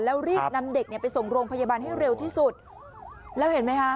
แล้วรีบนำเด็กเนี่ยไปส่งโรงพยาบาลให้เร็วที่สุดแล้วเห็นไหมคะ